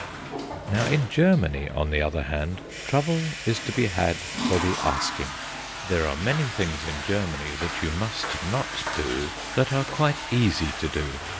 Now, in Germany, on the other hand, trouble is to be had for the asking. There are many things in Germany that you must not do that are quite easy to do.